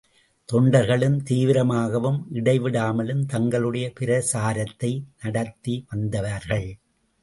தொண்டர்களும் தீவிரமாகவும் இடைவிடாமலும் தங்களுடைய பிரசாரத்தை நடத்தி வந்தார்கள்.